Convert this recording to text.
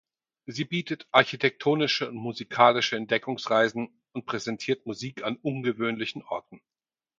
Sie bietet architektonische und musikalische Entdeckungsreisen und präsentiert Musik an ungewöhnlichen Orten.